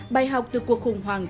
bài học từ cuộc khủng hoảng